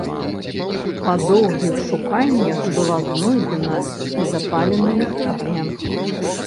Па доўгіх шуканнях была знойдзена і запалена ліхтарня.